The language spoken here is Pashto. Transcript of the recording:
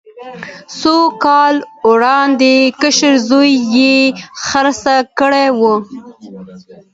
څو کاله وړاندې کشر زوی یې خرڅه کړې وه.